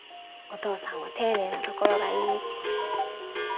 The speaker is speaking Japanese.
「お父さんは丁寧なところがいい」って。